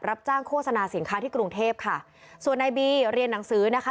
รับจ้างโฆษณาสินค้าที่กรุงเทพค่ะส่วนนายบีเรียนหนังสือนะคะ